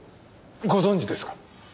ご存じですか？